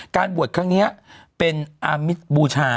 บวชครั้งนี้เป็นอามิตบูชา